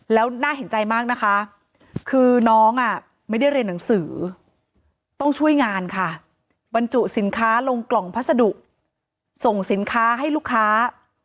แล้วน่าเห็นใจมากนะคะคือน้องอ่ะไม่ได้เรียนหนังสือต้องช่วยงานค่ะบรรจุสินค้าลงกล่องพัสดุส่งสินค้าให้ลูกค้า